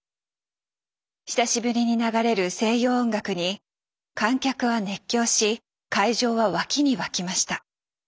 久しぶりに流れる西洋音楽に観客は熱狂し会場は沸きに沸きました。